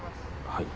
はい。